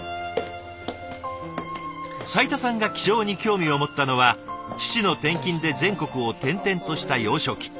斉田さんが気象に興味を持ったのは父の転勤で全国を転々とした幼少期。